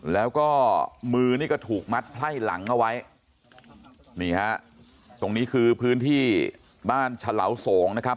แล้วก็มือนี่ก็ถูกมัดไพ่หลังเอาไว้นี่ฮะตรงนี้คือพื้นที่บ้านฉลาโสงนะครับ